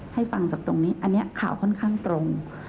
ให้ฟังจากตรงนี้อันนี้ข่าวค่อนข้างตรง